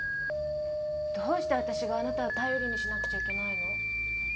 どうしてあたしがあなたを頼りにしなくちゃいけないの？